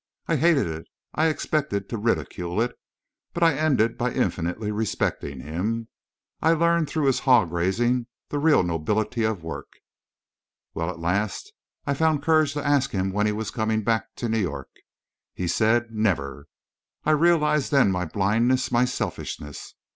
I hated it—I expected to ridicule it. But I ended by infinitely respecting him. I learned through his hog raising the real nobility of work.... Well, at last I found courage to ask him when he was coming back to New York. He said 'never!'... I realized then my blindness, my selfishness.